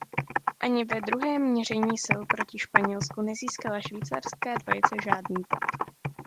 Ani ve druhém měření sil proti Španělsku nezískala švýcarská dvojice žádný bod.